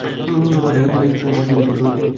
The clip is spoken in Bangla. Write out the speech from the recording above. মজার কিছু বলুন।